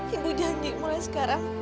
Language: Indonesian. ibu janji mulai sekarang